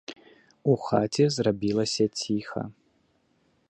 У хаце зрабілася ціха.